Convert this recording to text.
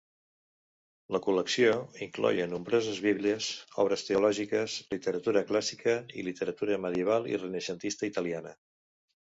La col·lecció incloïa nombroses bíblies, obres teològiques, literatura clàssica i literatura medieval i renaixentista italiana.